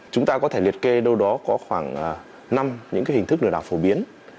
chúng ta có thể liệt kê đâu đó có khoảng năm những hình thức lừa đảo phổ biến